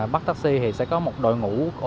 bắt taxi thì sẽ có một đội ngũ